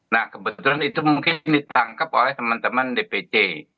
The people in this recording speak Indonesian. nah kebetulan itu mungkin ditangkap oleh teman teman dpc